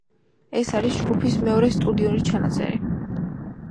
ეს არის ჯგუფის მეორე სტუდიური ჩანაწერი.